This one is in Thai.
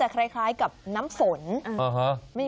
เหมือนหน้าฝนเรา